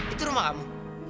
itu rumah kamu